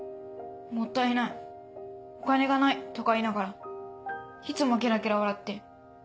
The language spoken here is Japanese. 「もったいないお金がない」とか言いながらいつもケラケラ笑って。